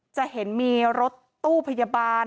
จะเห็นมีรถตู้พยาบาล